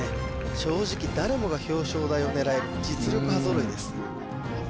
正直誰もが表彰台を狙える実力派揃いです